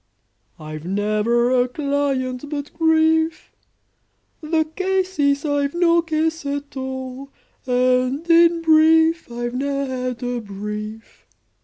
I've never a client but grief: The case is, I've no case at all, And in brief, I've ne'er had a brief!